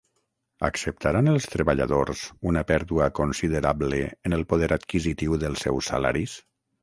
Acceptaran els treballadors una pèrdua considerable en el poder adquisitiu dels seus salaris?